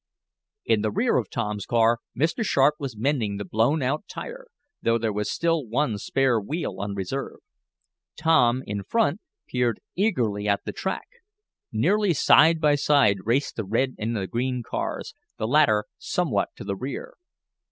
In the rear of Tom's car Mr. Sharp was mending the blown out tire, though there was still one spare wheel on reserve. Tom, in front, peered eagerly at the track. Nearly side by side raced the red and the green cars, the latter somewhat to the rear.